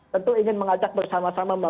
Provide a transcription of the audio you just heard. tentu ingin mengajak bersama sama